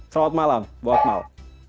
selamat malam bu akmal